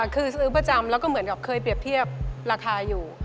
คือซื้อประจำแล้วก็เหมือนกับเคยเปรียบเทียบราคาอยู่